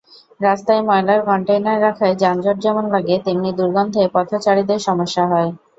রাস্তায় ময়লার কনটেইনার রাখায় যানজট যেমন লাগে, তেমনি দুর্গন্ধে পথচারীদের সমস্যা হয়।